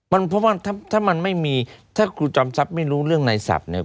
เพราะว่าถ้ามันไม่มีถ้าครูจอมทรัพย์ไม่รู้เรื่องในศัพท์เนี่ย